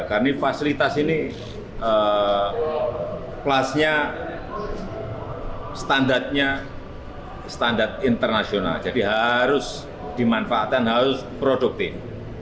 karena fasilitas ini kelasnya standarnya standar internasional jadi harus dimanfaatkan harus produktif